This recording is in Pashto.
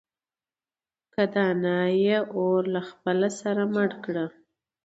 که دانا يې اور له خپله سره مړ کړه.